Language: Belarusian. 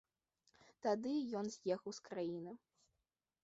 Тады ён з'ехаў з краіны.